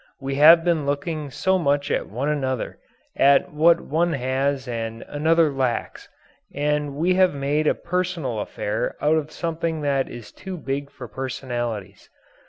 We have been looking so much at one another, at what one has and another lacks, that we have made a personal affair out of something that is too big for personalities.